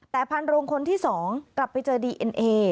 แต่พันโรงคนที่๒กลับไปเจอดีเอ็นเอ